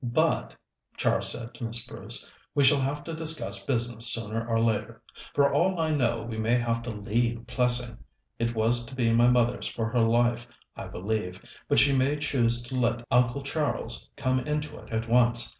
"But," Char said to Miss Bruce, "we shall have to discuss business sooner or later. For all I know, we may have to leave Plessing. It was to be my mother's for her life, I believe, but she may choose to let Uncle Charles come into it at once.